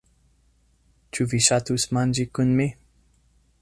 Ĉu vi ŝatus manĝi kun mi?